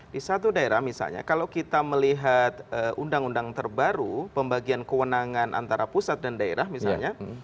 di satu daerah misalnya kalau kita melihat undang undang terbaru pembagian kewenangan antara pusat dan daerah misalnya